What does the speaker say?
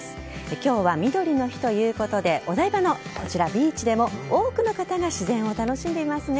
今日は、みどりの日ということでお台場のビーチでも多くの方が自然を楽しんでいますね。